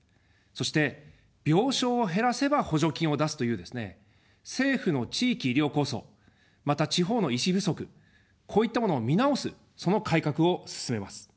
そして、病床を減らせば補助金を出すというですね、政府の地域医療構想、また地方の医師不足、こういったものを見直す、その改革を進めます。